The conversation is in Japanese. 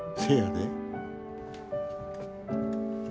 せやで。